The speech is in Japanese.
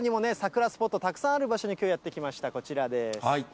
そのほかにもね、桜スポット、たくさんある場所に、きょうやって来ました、こちらです。